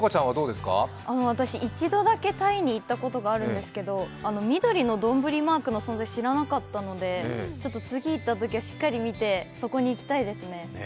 私、一度だけタイに行ったことあるんですけどみどりの丼マークの存在を知らなかったのでちょっと次行ったときにはしっかりみてそこに行ってみたいですね。